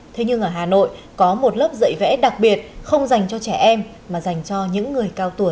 thế nhưng ở hà nội có một lớp dạy vẽ đặc biệt không dành cho trẻ em mà dành cho những người cao tuổi